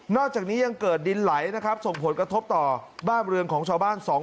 อกจากนี้ยังเกิดดินไหลนะครับส่งผลกระทบต่อบ้านเรือนของชาวบ้าน